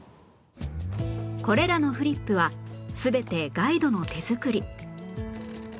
これらのフリップは全てガイドの手作り